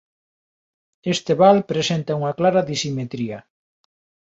Este val presenta unha clara disimetría.